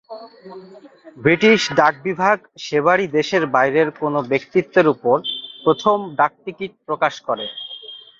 British ডাকবিভাগ সেবারই দেশের বাইরের কোনো ব্যক্তিত্বের ওপর প্রথম ডাকটিকিট প্রকাশ করে।